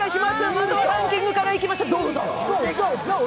まずはランキングからいきましょう、どうぞ！